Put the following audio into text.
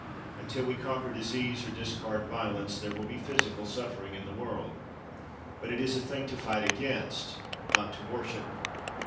Until we conquer disease or discard violence there will be physical suffering in the world. But it is a thing to fight against, not to worship.